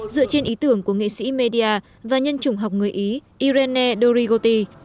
dựa trên ý tưởng của nghệ sĩ media và nhân chủng học người ý irene dorigoti